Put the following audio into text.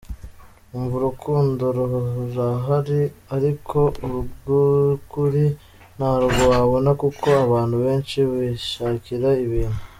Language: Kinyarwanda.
Umva urukundo rurahari ariko urw’ukuri ntarwo wabona kuko abantu benshi bishakira ibintu.